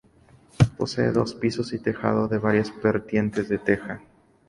Posee dos pisos y tejado de varias vertientes de teja.